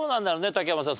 竹山さん